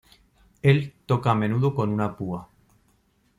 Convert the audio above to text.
Él toca a menudo con una púa.